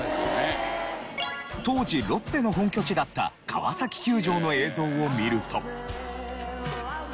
当時ロッテの本拠地だった川崎球場の映像を見ると。